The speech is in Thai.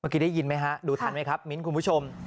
เมื่อกี้ได้ยินไหมครับดูทันไหมครับมิ้นท์คุณผู้ชม